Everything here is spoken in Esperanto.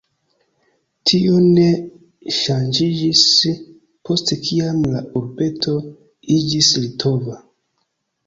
Tio ne ŝanĝiĝis, post kiam la urbeto iĝis litova.